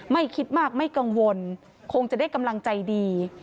ไม่คิดมากไม่กังวลคงจะได้กำลังใจดี